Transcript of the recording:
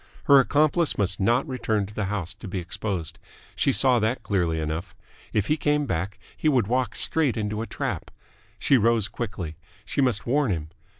Her accomplice must not return to the house to be exposed. She saw that clearly enough. If he came back, he would walk straight into a trap. She rose quickly. She must warn him.